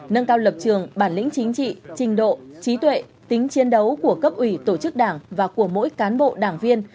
nâng cao lập trường bản lĩnh chính trị trình độ trí tuệ tính chiến đấu của cấp ủy tổ chức đảng và của mỗi cán bộ đảng viên